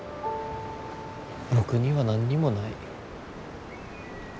僕には何にもない。